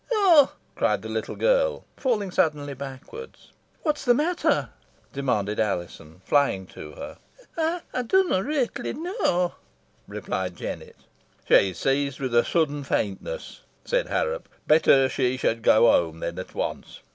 "Oh!" cried the little girl, falling suddenly backwards. "What's the matter?" demanded Alizon, flying to her. "Ey dunna reetly knoa," replied Jennet. "She's seized with a sudden faintness," said Harrop. "Better she should go home then at once.